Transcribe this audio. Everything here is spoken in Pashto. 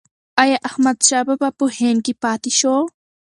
ایا احمدشاه بابا په هند کې پاتې شو؟